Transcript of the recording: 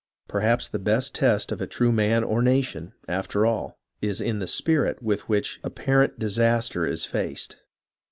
Perhaps the best test of a true man or nation, after all, is in the spirit with which apparent disaster is faced.